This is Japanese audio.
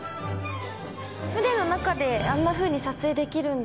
船の中であんなふうに撮影できるんだ。